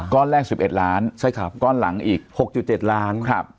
ก้อนแรก๑๑ล้านใช่ครับก้อนหลังอีก๖๗ล้านครับ